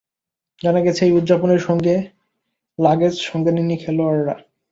জানা গেছে, ওই উদযাপনের জন্য লাগেজ সঙ্গে নেননি খেলোয়াড়রা।